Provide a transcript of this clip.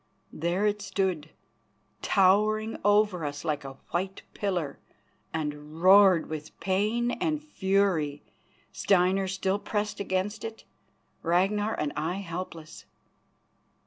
There it stood, towering over us like a white pillar, and roared with pain and fury, Steinar still pressed against it, Ragnar and I helpless.